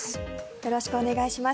よろしくお願いします。